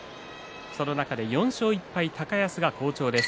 その中で４勝１敗高安が好調です。